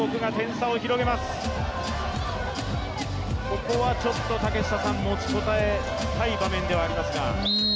ここはちょっと持ちこたえたい場面ではありますが。